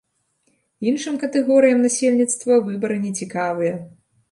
Іншым катэгорыям насельніцтва выбары не цікавыя.